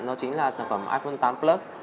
đó chính là iphone tám plus